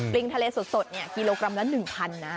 ปริงทะเลสดเนี่ยกิโลกรัมละ๑๐๐๐นะ